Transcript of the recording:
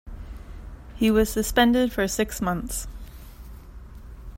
He was suspended for six months.